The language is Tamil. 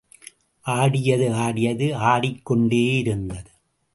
ஆடியது ஆடியது, ஆடிக்கொண்டே இருந்தது.